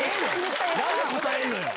何で答えるのよ